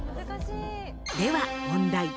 では問題。